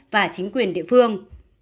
và chính quyền địa phương